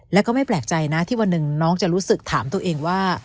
แล้วก็ไม่แปลกใจนะที่วันหนึ่งน้องจะรู้สึกถามตัวเองว่า